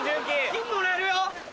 金もらえるよ。